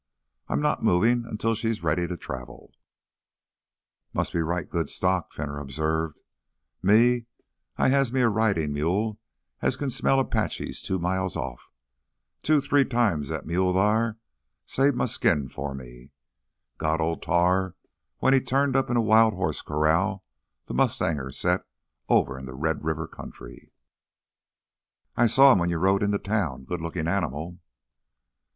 I'm not movin' until she's ready to travel—" "Must be right good stock," Fenner observed. "Me, I has me a ridin' mule as kin smell Apaches two miles off. Two, three times that thar mule saved m' skin fur me. Got Old Tar when he turned up in a wild hoss corral th' mustangers set over in th' Red River country—" "I saw him when you rode into town. Good lookin' animal."